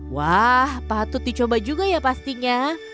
wah patut dicoba juga ya pastinya